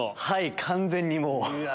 はい完全にもう。